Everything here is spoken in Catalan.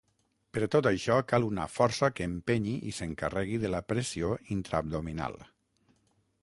Per tot això, cal una força que empenyi i s'encarregui de la pressió intraabdominal.